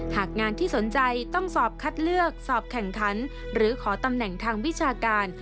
หากงานที่สนใจต้องสอบคัดเลือกสอบแข่งขันหรือขอตำแหน่งทางวิชาการ